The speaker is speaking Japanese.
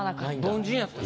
凡人やった。